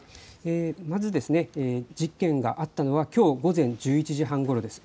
まず、事件があったのはきょう午前１１時半ごろです。